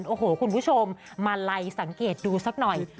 โอ้โหคุณผู้ชมมาไล่สังเกตดูสักหน่อย